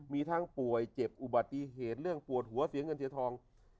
มีทั้งป่วยเจ็บอุบัติเหตุเรื่องปวดหัวเสียเงินเสียทอง